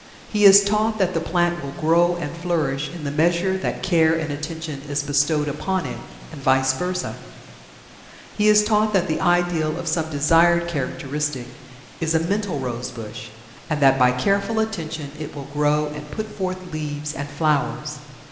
He is taught that the plant will grow and flourish in the measure that care and attention is bestowed upon it and vice versa. He is taught that the ideal of some desired characteristic is a mental rosebush, and that by careful attention it will grow and put forth leaves and flowers.